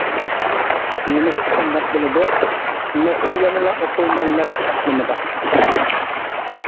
نېمىشقا شۇنداق بولىدۇ؟ مەسىلە يەنىلا ئوقۇرمەنلەر قاتلىمىدا.